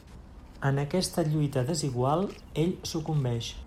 En aquesta lluita desigual ell sucumbeix.